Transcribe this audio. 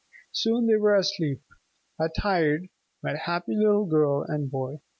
Soon they were asleep, a tired, but happy little girl and boy.